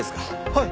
はい。